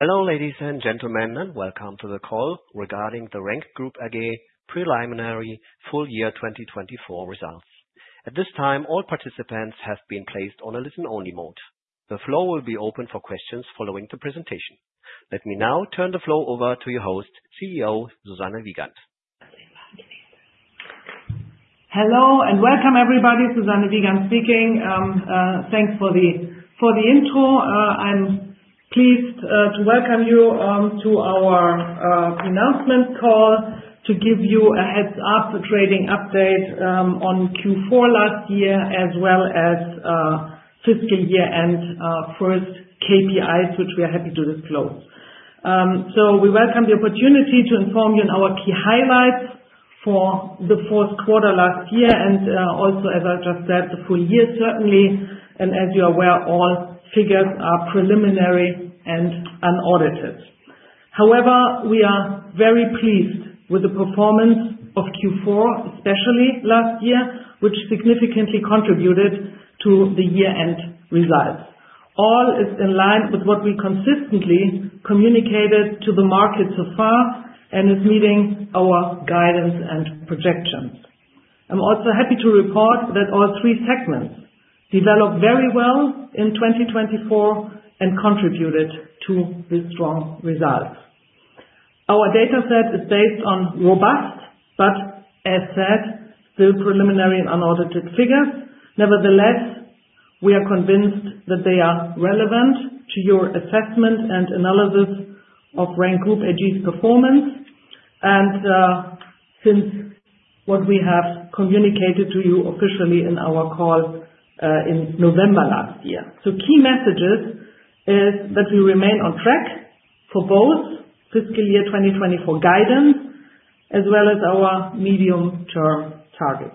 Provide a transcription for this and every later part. Hello, ladies and gentlemen, and welcome to the call regarding the RENK Group AG Preliminary Full Year 2024 results. At this time, all participants have been placed on a listen-only mode. The floor will be open for questions following the presentation. Let me now turn the floor over to your host, CEO Susanne Wiegand. Hello and welcome, everybody. Susanne Wiegand speaking. Thanks for the intro. I'm pleased to welcome you to our announcement call to give you a heads-up, a trading update on Q4 last year, as well as fiscal year-end first KPIs, which we are happy to disclose. So we welcome the opportunity to inform you on our key highlights for the fourth quarter last year and also, as I just said, the full year, certainly. And as you are aware, all figures are preliminary and unaudited. However, we are very pleased with the performance of Q4, especially last year, which significantly contributed to the year-end results. All is in line with what we consistently communicated to the market so far and is meeting our guidance and projections. I'm also happy to report that all three segments developed very well in 2024 and contributed to the strong results. Our data set is based on robust, but, as said, still preliminary and unaudited figures. Nevertheless, we are convinced that they are relevant to your assessment and analysis of RENK Group AG's performance and since what we have communicated to you officially in our call in November last year. Key messages are that we remain on track for both fiscal year 2024 guidance, as well as our medium-term targets.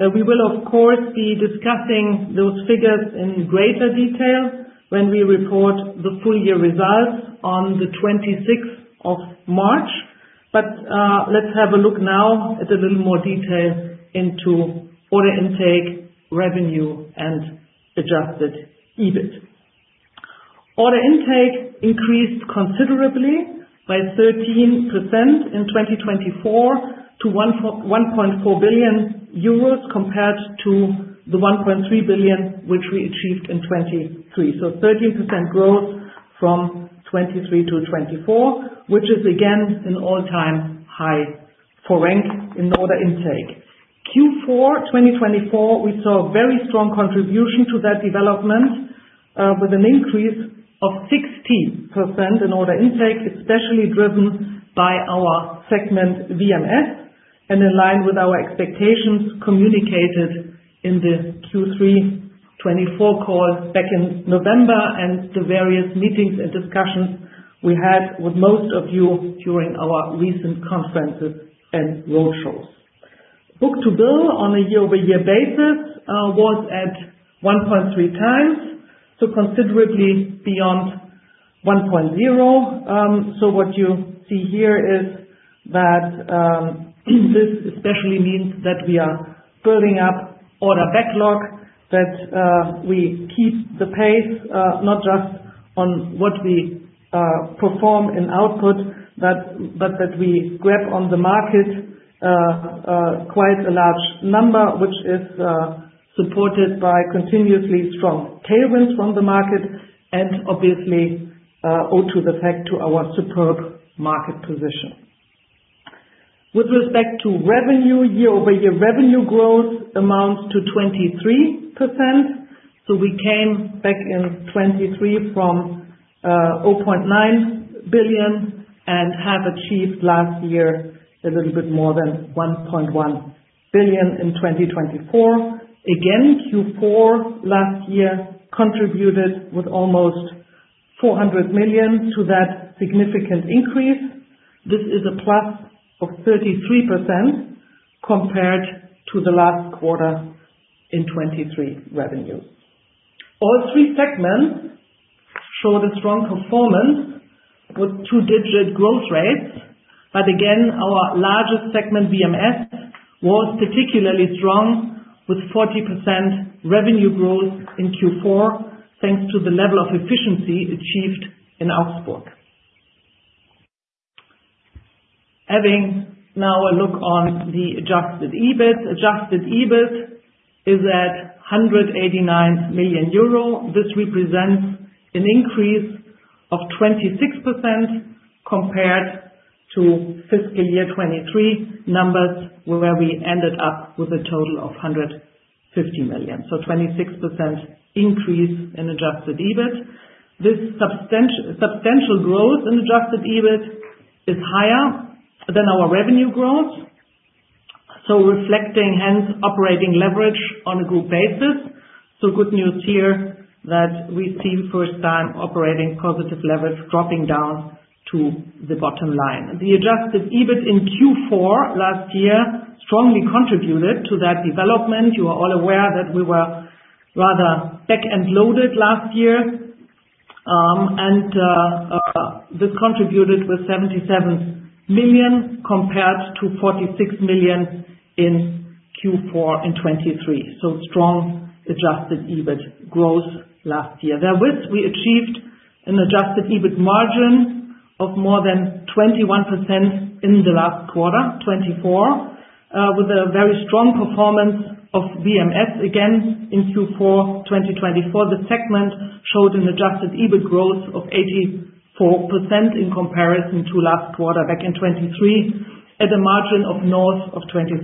We will, of course, be discussing those figures in greater detail when we report the full year results on the 26th of March. But let's have a look now at a little more detail into order intake, revenue, and Adjusted EBIT. Order intake increased considerably by 13% in 2024 to 1.4 billion euros, compared to the 1.3 billion which we achieved in 2023. So 13% growth from 2023 to 2024, which is, again, an all-time high for RENK in order intake. Q4 2024, we saw a very strong contribution to that development with an increase of 16% in order intake, especially driven by our segment VMS and in line with our expectations communicated in the Q3 2024 call back in November and the various meetings and discussions we had with most of you during our recent conferences and roadshows. Book-to-bill on a year-over-year basis was at 1.3 times, so considerably beyond 1.0, so what you see here is that this especially means that we are building up order backlog, that we keep the pace, not just on what we perform in output, but that we grab on the market quite a large number, which is supported by continuously strong tailwinds from the market and, obviously, owed to the fact to our superb market position. With respect to revenue, year-over-year revenue growth amounts to 23%. So we came back in 2023 from EURO 0.9 billion and have achieved last year a little bit more than EURO 1.1 billion in 2024. Again, Q4 last year contributed with almost EURO 400 million to that significant increase. This is a plus of 33% compared to the last quarter in 2023 revenue. All three segments showed a strong performance with two-digit growth rates. But again, our largest segment, VMS, was particularly strong with 40% revenue growth in Q4, thanks to the level of efficiency achieved in Augsburg. Having now a look on the adjusted EBIT, adjusted EBIT is at EURO 189 million. This represents an increase of 26% compared to fiscal year 2023 numbers, where we ended up with a total of EURO 150 million. So 26% increase in adjusted EBIT. This substantial growth in adjusted EBIT is higher than our revenue growth, so reflecting, hence, operating leverage on a group basis. So good news here that we see first-time operating positive leverage dropping down to the bottom line. The adjusted EBIT in Q4 last year strongly contributed to that development. You are all aware that we were rather back-end loaded last year, and this contributed with 77 million compared to 46 million in Q4 in 2023. So strong adjusted EBIT growth last year. Therewith, we achieved an adjusted EBIT margin of more than 21% in the last quarter, 2024, with a very strong performance of VMS again in Q4 2024. The segment showed an adjusted EBIT growth of 84% in comparison to last quarter back in 2023, at a margin of north of 26%,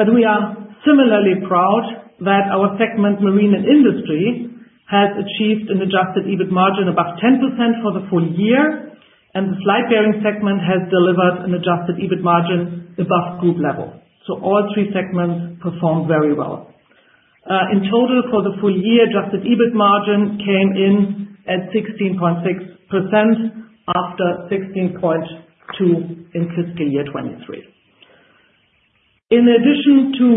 but we are similarly proud that our segment, Marine and Industry, has achieved an adjusted EBIT margin above 10% for the full year, and the Slide Bearings segment has delivered an adjusted EBIT margin above group level. All three segments performed very well. In total, for the full year, Adjusted EBIT margin came in at 16.6% after 16.2% in fiscal year 2023. In addition to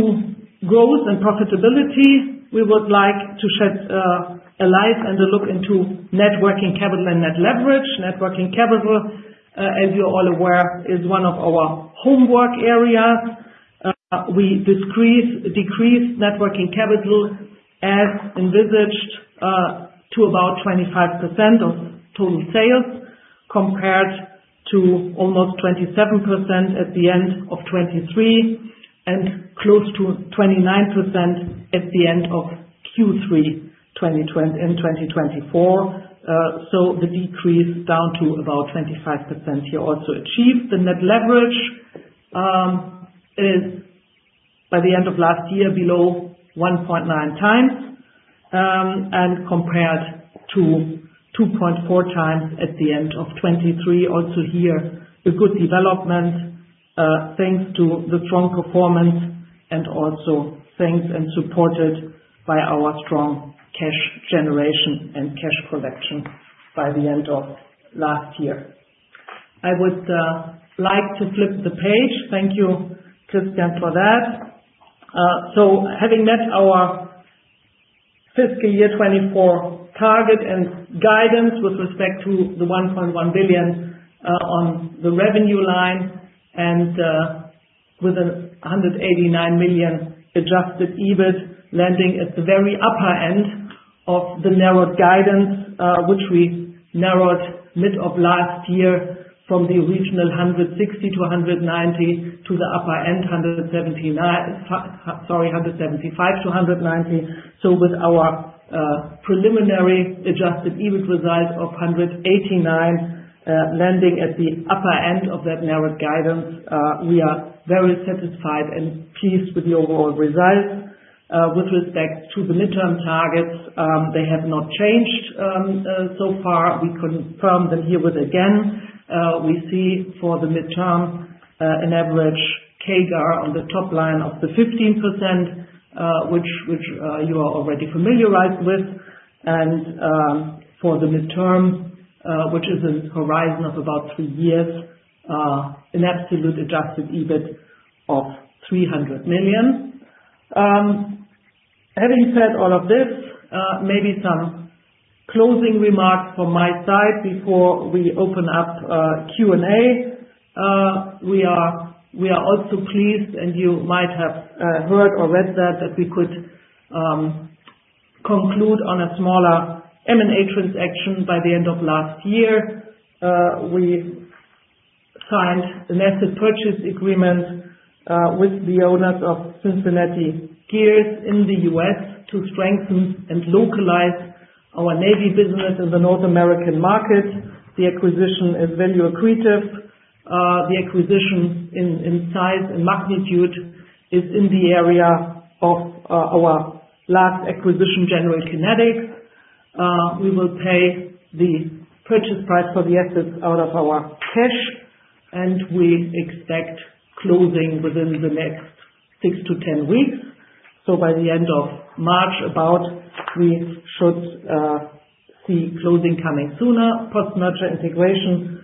growth and profitability, we would like to shed a light and a look into net working capital and net leverage. Net working capital, as you are all aware, is one of our homework areas. We decreased net working capital as envisaged to about 25% of total sales compared to almost 27% at the end of 2023 and close to 29% at the end of Q3 in 2024. The decrease down to about 25% here also achieved. The net leverage is, by the end of last year, below 1.9 times and compared to 2.4 times at the end of 2023. Also here, a good development thanks to the strong performance and also thanks and supported by our strong cash generation and cash collection by the end of last year. I would like to flip the page. Thank you, Christophe, for that. Having met our fiscal year 2024 target and guidance with respect to 1.1 billion on the revenue line and with a 189 million Adjusted EBIT, landing at the very upper end of the narrowed guidance, which we narrowed mid of last year from the original 160 million to 190 million to the upper end, sorry, 175 million to 190 million. With our preliminary Adjusted EBIT result of 189, landing at the upper end of that narrowed guidance, we are very satisfied and pleased with the overall results. With respect to the midterm targets, they have not changed so far. We confirm them here with again. We see for the midterm an average CAGR on the top line of 15%, which you are already familiarized with, and for the midterm, which is a horizon of about three years, an absolute adjusted EBIT of 300 million. Having said all of this, maybe some closing remarks from my side before we open up Q&A. We are also pleased, and you might have heard or read that, that we could conclude on a smaller M&A transaction by the end of last year. We signed an asset purchase agreement with the owners of Cincinnati Gears in the U.S. to strengthen and localize our Navy business in the North American market. The acquisition is value accretive. The acquisition in size and magnitude is in the area of our last acquisition, General Kinetics. We will pay the purchase price for the assets out of our cash, and we expect closing within the next 6-10 weeks, so by the end of March about, we should see closing coming sooner. Post-merger integration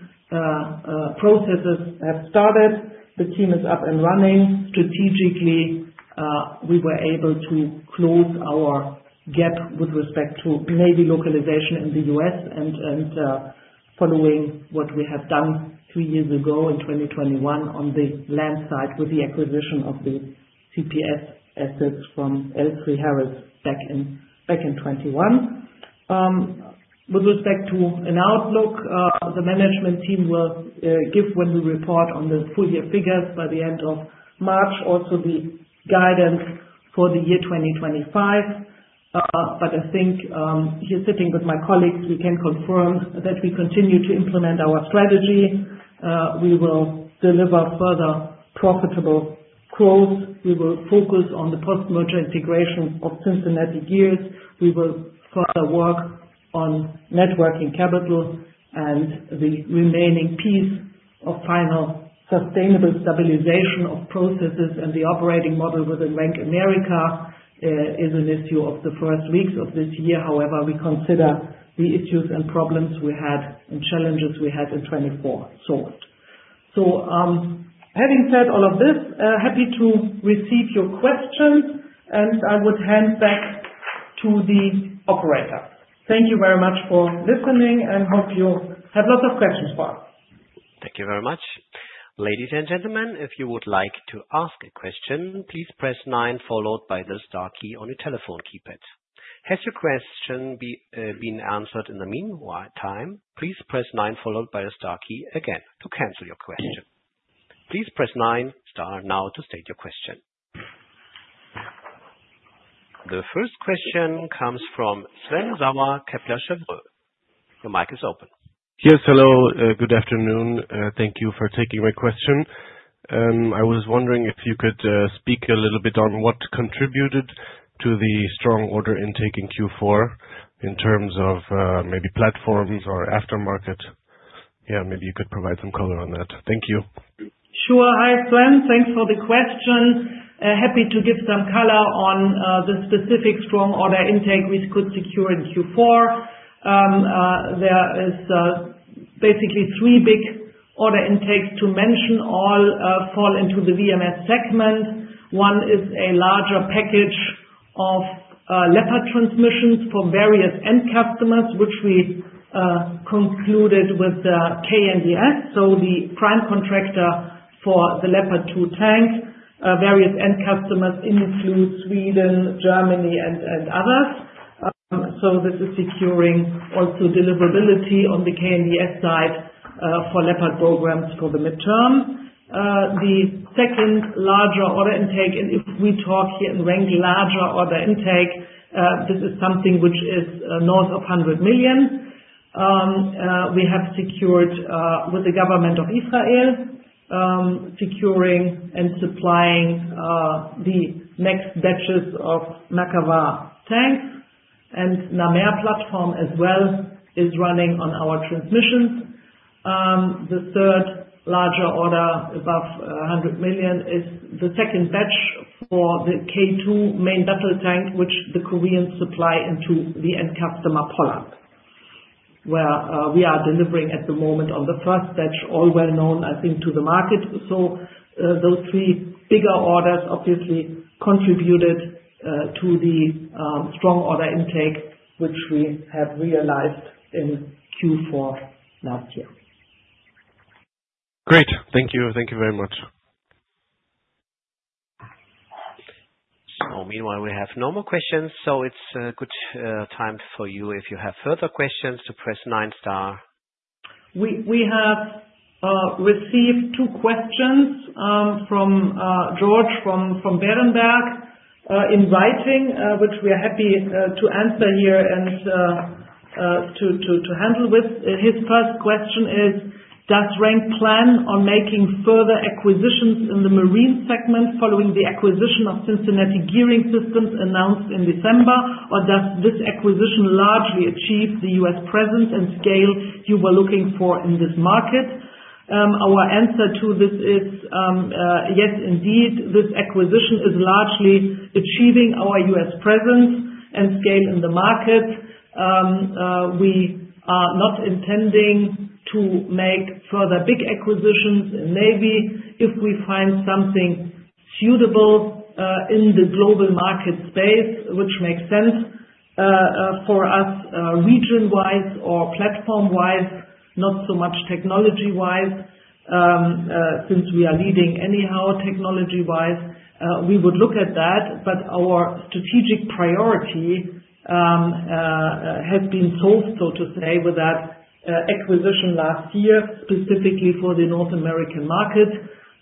processes have started. The team is up and running. Strategically, we were able to close our gap with respect to Navy localization in the U.S. and following what we have done three years ago in 2021 on the land side with the acquisition of the CPS assets from L3Harris back in 2021. With respect to an outlook, the management team will give, when we report on the full year figures by the end of March, also the guidance for the year 2025, but I think here, sitting with my colleagues, we can confirm that we continue to implement our strategy. We will deliver further profitable growth. We will focus on the post-merger integration of Cincinnati Gears. We will further work on net working capital and the remaining piece of final sustainable stabilization of processes and the operating model within RENK America is an issue of the first weeks of this year. However, we consider the issues and problems we had and challenges we had in 2024 solved. So having said all of this, happy to receive your questions. And I would hand back to the operator. Thank you very much for listening and hope you have lots of questions for us. Thank you very much. Ladies and gentlemen, if you would like to ask a question, please press 9 followed by the star key on your telephone keypad. Has your question been answered in the meantime, please press 9 followed by the star key again to cancel your question. Please press 9 star now to state your question. The first question comes from Sven Sauer Kepler Cheuvreux. Your mic is open. Yes, hello. Good afternoon. Thank you for taking my question. I was wondering if you could speak a little bit on what contributed to the strong order intake in Q4 in terms of maybe platforms or aftermarket. Yeah, maybe you could provide some color on that. Thank you. Sure. Hi, Sven. Thanks for the question. Happy to give some color on the specific strong order intake we could secure in Q4. There are basically three big order intakes to mention. All fall into the VMS segment. One is a larger package of Leopard transmissions for various end customers, which we concluded with KNDS, so the prime contractor for the Leopard 2 tank. Various end customers include Sweden, Germany, and others. So this is securing also deliverability on the KNDS side for Leopard programs for the midterm. The second larger order intake, and if we talk here in RENK, larger order intake, this is something which is north of 100 million. We have secured with the government of Israel, securing and supplying the next batches of Merkava tanks. And Namer platform as well is running on our transmissions. The third larger order above 100 million is the second batch for the K2 main battle tank, which the Koreans supply into the end customer Poland, where we are delivering at the moment on the first batch, all well known, I think, to the market. So those three bigger orders obviously contributed to the strong order intake, which we have realized in Q4 last year. Great. Thank you. Thank you very much. So meanwhile, we have no more questions. So it's a good time for you, if you have further questions, to press 9 star. We have received two questions from George at Berenberg, which we are happy to answer here and to handle with. His first question is, does RENK plan on making further acquisitions in the marine segment following the acquisition of Cincinnati Gearing Systems announced in December, or does this acquisition largely achieve the U.S. presence and scale you were looking for in this market? Our answer to this is, yes, indeed, this acquisition is largely achieving our U.S. presence and scale in the market. We are not intending to make further big acquisitions in Navy if we find something suitable in the global market space, which makes sense for us region-wise or platform-wise, not so much technology-wise, since we are leading anyhow technology-wise. We would look at that, but our strategic priority has been solved, so to say, with that acquisition last year, specifically for the North American market.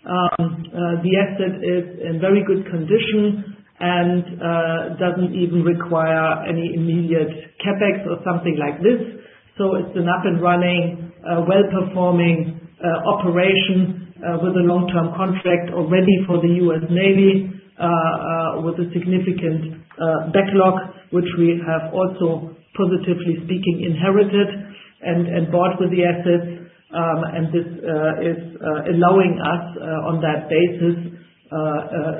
The asset is in very good condition and doesn't even require any immediate CapEx or something like this, so it's an up and running, well-performing operation with a long-term contract already for the U.S. Navy with a significant backlog, which we have also, positively speaking, inherited and bought with the assets, and this is allowing us, on that basis,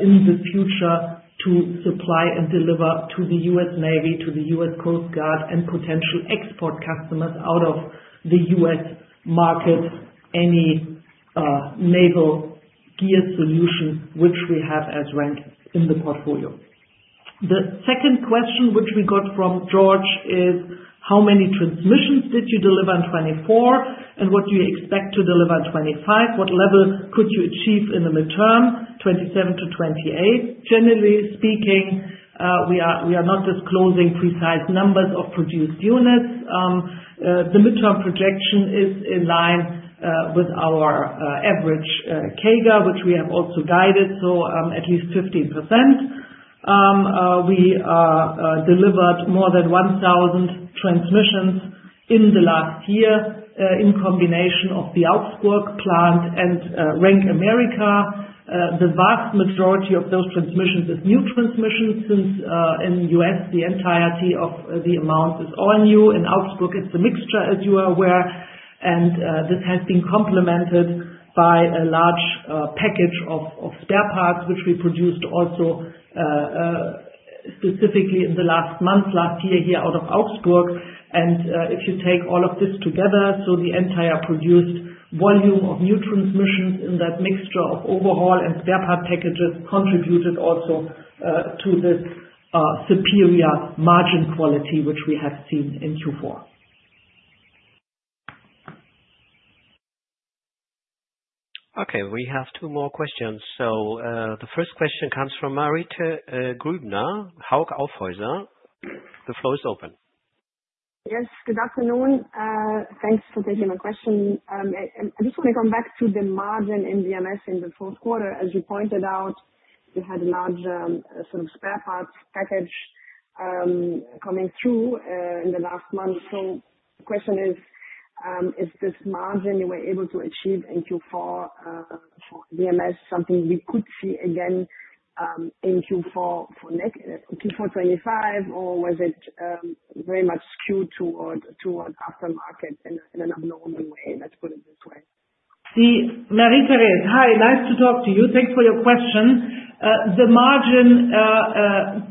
in the future, to supply and deliver to the U.S. Navy, to the U.S. Coast Guard, and potential export customers out of the U.S. market any naval gear solution which we have as RENK in the portfolio. The second question which we got from George is, how many transmissions did you deliver in 2024, and what do you expect to deliver in 2025? What level could you achieve in the midterm, 2027 to 2028? Generally speaking, we are not disclosing precise numbers of produced units. The midterm projection is in line with our average CAGR, which we have also guided, so at least 15%. We delivered more than 1,000 transmissions in the last year in combination of the Augsburg plant and RENK America. The vast majority of those transmissions is new transmissions since in the US, the entirety of the amount is all new. In Augsburg, it's a mixture, as you are aware. And this has been complemented by a large package of spare parts, which we produced also specifically in the last month, last year here out of Augsburg. And if you take all of this together, so the entire produced volume of new transmissions in that mixture of overhaul and spare part packages contributed also to this superior margin quality which we have seen in Q4. Okay. We have two more questions. So the first question comes from Marie-Therese Gruebner, Hauck Aufhäuser Lampe. The floor is open. Yes. Good afternoon. Thanks for taking my question. I just want to come back to the margin in VMS in the fourth quarter. As you pointed out, you had a large sort of spare parts package coming through in the last month. So the question is, is this margin you were able to achieve in Q4 for VMS something we could see again in Q4 2025, or was it very much skewed toward aftermarket in an abnormal way? Let's put it this way. Hi, Marita. Nice to talk to you. Thanks for your question. The margin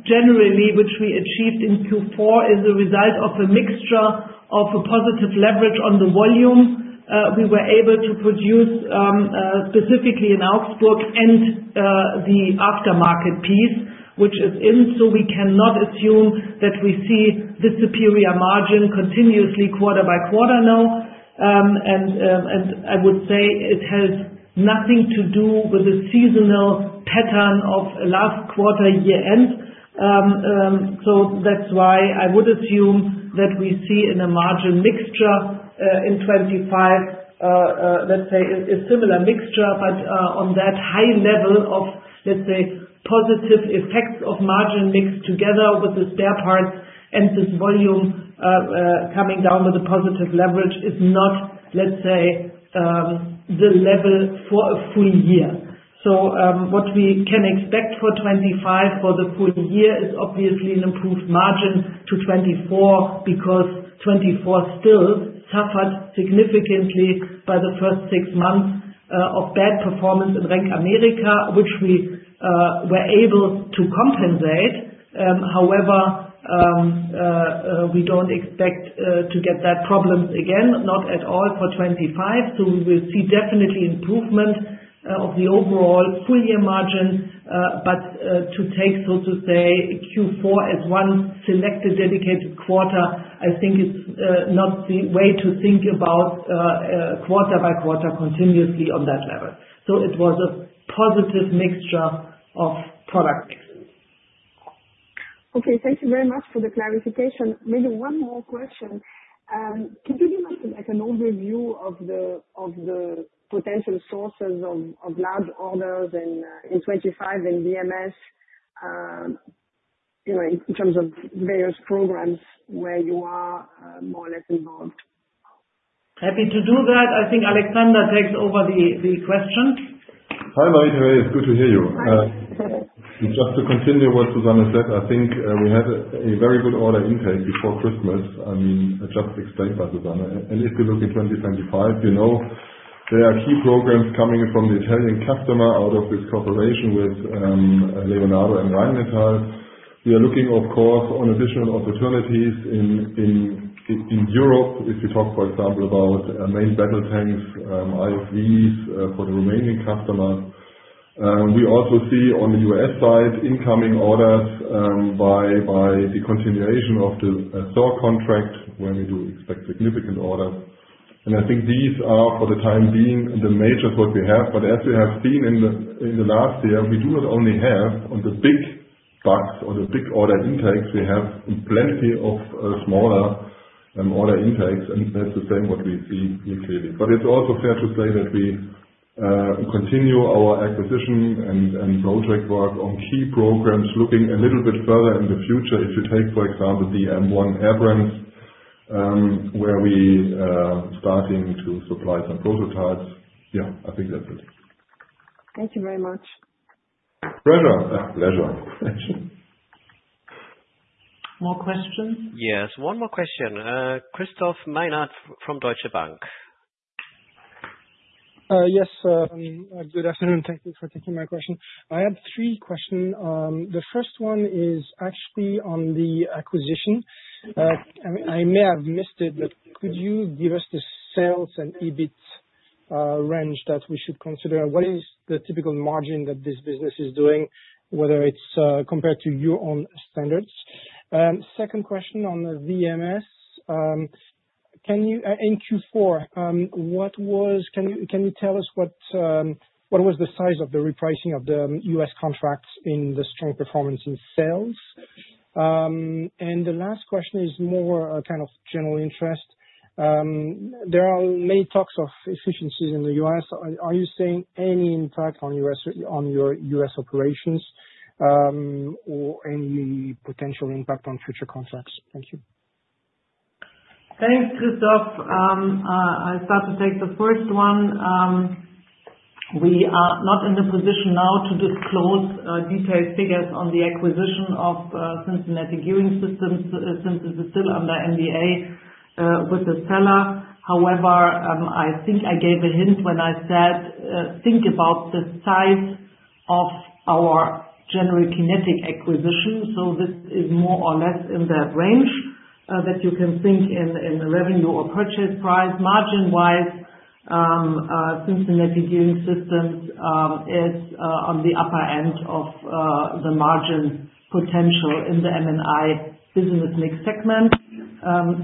generally, which we achieved in Q4, is a result of a mixture of a positive leverage on the volume. We were able to produce specifically in Augsburg and the aftermarket piece, which is in. So we cannot assume that we see this superior margin continuously quarter by quarter now. And I would say it has nothing to do with the seasonal pattern of last quarter year-end. So that's why I would assume that we see in a margin mixture in 2025, let's say, a similar mixture, but on that high level of, let's say, positive effects of margin mix together with the spare parts and this volume coming down with the positive leverage is not, let's say, the level for a full year. So what we can expect for 2025 for the full year is obviously an improved margin to 2024 because 2024 still suffered significantly by the first six months of bad performance in RENK America, which we were able to compensate. However, we don't expect to get that problem again, not at all for 2025. So we will see definitely improvement of the overall full year margin. But to take, so to say, Q4 as one selected dedicated quarter, I think it's not the way to think about quarter by quarter continuously on that level. So it was a positive mixture of product mixes. Okay. Thank you very much for the clarification. Maybe one more question. Can you give us an overview of the potential sources of large orders in 2025 in VMS in terms of various programs where you are more or less involved? Happy to do that. I think Alexander takes over the question. Hi, Marie-Therese. It's good to hear you. Just to continue what Susanne said, I think we had a very good order intake before Christmas, I mean, just explained by Susanne, and if you look in 2025, there are key programs coming from the Italian customer out of this cooperation with Leonardo and Rheinmetall. We are looking, of course, on additional opportunities in Europe. If you talk, for example, about main battle tanks, IFVs for the remaining customers. We also see on the U.S. side incoming orders by the continuation of the SOR contract, where we do expect significant orders, and I think these are, for the time being, the major what we have, but as we have seen in the last year, we do not only have on the big bucks or the big order intakes. We have plenty of smaller order intakes. And that's the same as what we see here clearly. But it's also fair to say that we continue our acquisition and project work on key programs looking a little bit further in the future. If you take, for example, the M1 Abrams, where we are starting to supply some prototypes. Yeah, I think that's it. Thank you very much. Pleasure. Pleasure. More questions? Yes. One more question. Christophe Menard from Deutsche Bank. Yes. Good afternoon. Thank you for taking my question. I have three questions. The first one is actually on the acquisition. I may have missed it, but could you give us the sales and EBIT range that we should consider? What is the typical margin that this business is doing, whether it's compared to your own standards? Second question on VMS. In Q4, can you tell us what was the size of the repricing of the U.S. contracts in the strong performance in sales? And the last question is more kind of general interest. There are many talks of efficiencies in the U.S. Are you seeing any impact on your U.S. operations or any potential impact on future contracts? Thank you. Thanks, Christophe. I start to take the first one. We are not in the position now to disclose detailed figures on the acquisition of Cincinnati Gearing Systems since it is still under NDA with the seller. However, I think I gave a hint when I said, "Think about the size of our General Kinetics acquisition." So this is more or less in that range that you can think in revenue or purchase price. Margin-wise, Cincinnati Gearing Systems is on the upper end of the margin potential in the M&I business mix segment.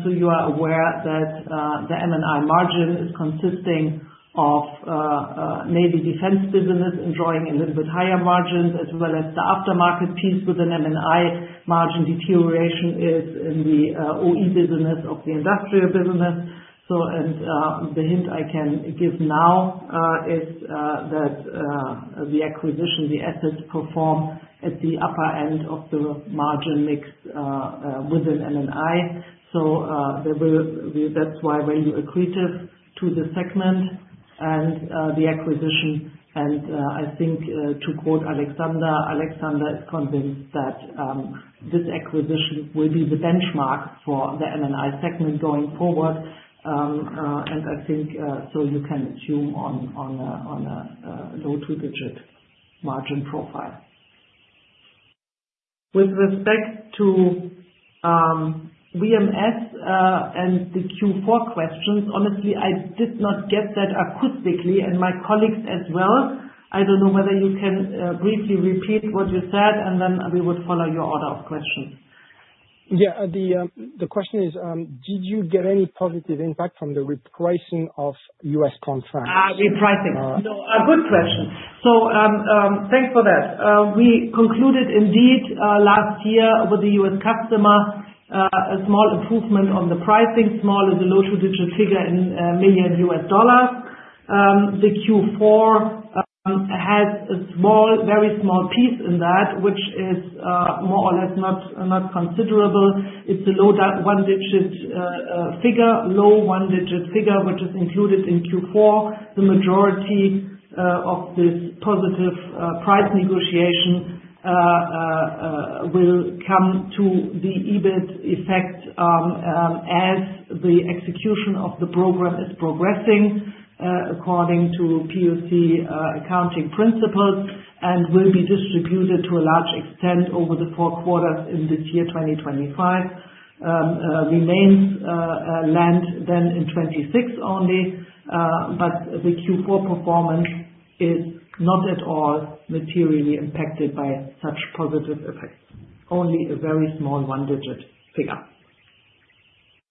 So you are aware that the M&I margin is consisting of Navy defense business enjoying a little bit higher margins as well as the aftermarket piece with an M&I margin deterioration is in the OE business of the industrial business. And the hint I can give now is that the acquisition, the assets perform at the upper end of the margin mix within M&I. So that's why we're equating it to the segment and the acquisition. And I think to quote Alexander, Alexander is convinced that this acquisition will be the benchmark for the M&I segment going forward. And I think so you can assume on a low two-digit margin profile. With respect to VMS and the Q4 questions, honestly, I did not get that acoustically and my colleagues as well. I don't know whether you can briefly repeat what you said, and then we would follow your order of questions. Yeah. The question is, did you get any positive impact from the repricing of U.S. contracts? Repricing. No. Good question. So thanks for that. We concluded indeed last year with the U.S. customer a small improvement on the pricing. Small is a low two-digit figure in million U.S. dollars. The Q4 has a small, very small piece in that, which is more or less not considerable. It's a low one-digit figure, which is included in Q4. The majority of this positive price negotiation will come to the EBIT effect as the execution of the program is progressing according to POC accounting principles and will be distributed to a large extent over the four quarters in this year, 2025. Remains and then in 2026 only. But the Q4 performance is not at all materially impacted by such positive effects. Only a very small one-digit figure.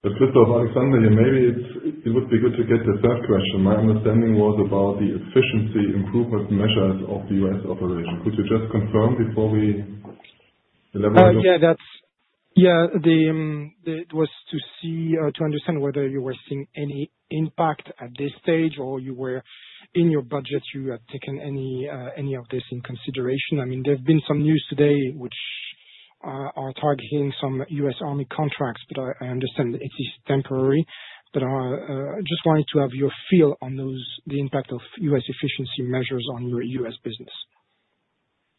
Christophe, Alexander, maybe it would be good to get the third question. My understanding was about the efficiency improvement measures of the U.S. operation. Could you just confirm before we elaborate? Yeah. Yeah. It was to see or to understand whether you were seeing any impact at this stage or you were in your budget, you had taken any of this in consideration. I mean, there have been some news today which are targeting some U.S. Army contracts, but I understand it is temporary. But I just wanted to have your feel on the impact of U.S. efficiency measures on your U.S. business.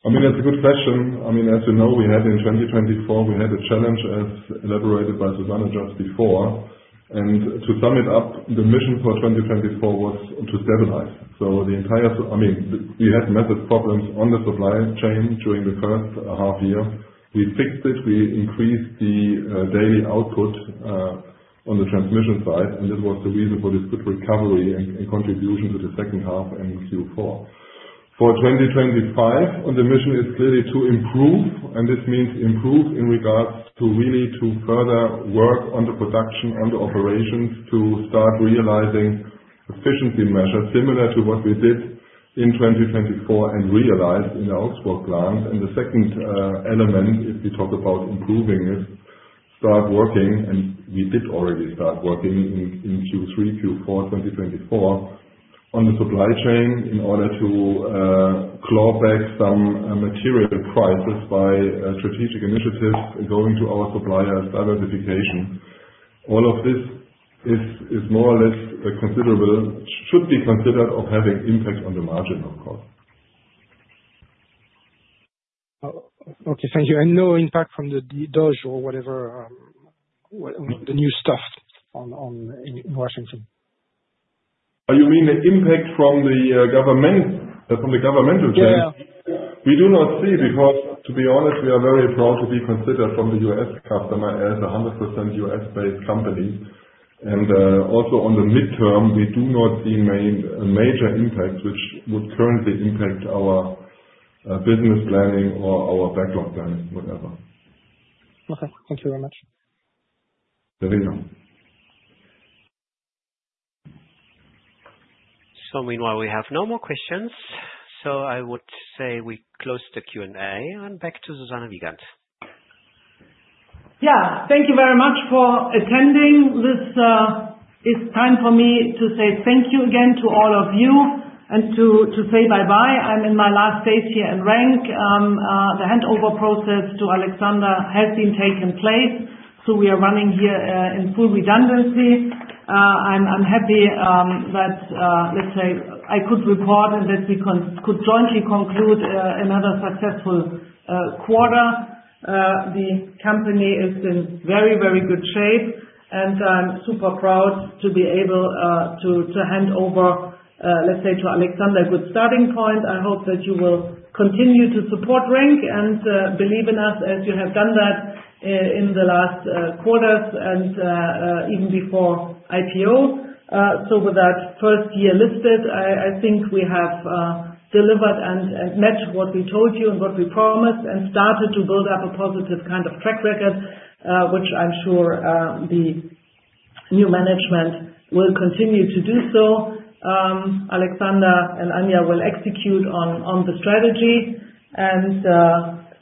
I mean, that's a good question. I mean, as you know, we had in 2024, we had a challenge as elaborated by Susanne just before. And to sum it up, the mission for 2024 was to stabilize. So the entire, I mean, we had massive problems on the supply chain during the first half year. We fixed it. We increased the daily output on the transmission side. And this was the reason for this good recovery and contribution to the second half and Q4. For 2025, the mission is clearly to improve. And this means improve in regards to really to further work on the production, on the operations, to start realizing efficiency measures similar to what we did in 2024 and realized in the Augsburg plant. And the second element, if we talk about improving, is start working. And we did already start working in Q3, Q4, 2024 on the supply chain in order to claw back some material prices by strategic initiatives going to our suppliers, diversification. All of this is more or less considerable, should be considered of having impact on the margin, of course. Okay. Thank you. And no impact from the DOGE or whatever, the new stuff in Washington? You mean the impact from the governmental change? Yeah. We do not see because, to be honest, we are very proud to be considered from the U.S. customer as a 100% U.S.-based company. And also on the midterm, we do not see major impacts which would currently impact our business planning or our backlog planning, whatever. Okay. Thank you very much. There we go. So meanwhile, we have no more questions. So I would say we close the Q&A and back to Susanne Wiegand. Yeah. Thank you very much for attending. It's time for me to say thank you again to all of you and to say bye-bye. I'm in my last days here at RENK. The handover process to Alexander has been taking place, so we are running here in full redundancy. I'm happy that, let's say, I could report and that we could jointly conclude another successful quarter. The company is in very, very good shape, and I'm super proud to be able to hand over, let's say, to Alexander, good starting point. I hope that you will continue to support RENK and believe in us as you have done that in the last quarters and even before IPO, so with that first year listed, I think we have delivered and met what we told you and what we promised and started to build up a positive kind of track record, which I'm sure the new management will continue to do so. Alexander and Anja will execute on the strategy and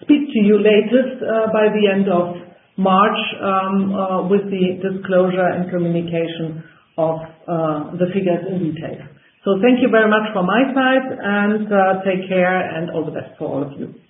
speak to you latest by the end of March with the disclosure and communication of the figures in detail. So thank you very much from my side. And take care and all the best for all of you.